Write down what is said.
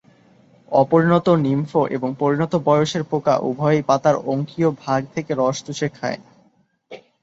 অপরিণত নিম্ফ এবং পরিণত বয়সের পোকা উভয়েই পাতার অঙ্কীয়ভাগ থেকে রস চুষে খায়।